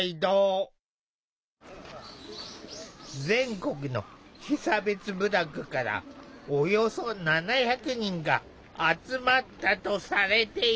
全国の被差別部落からおよそ７００人が集まったとされている。